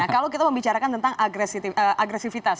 kalau kita membicarakan tentang agresivitas